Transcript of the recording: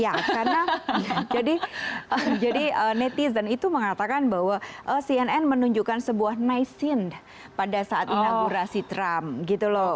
ya karena jadi netizen itu mengatakan bahwa cnn menunjukkan sebuah nice scene pada saat inaugurasi trump gitu loh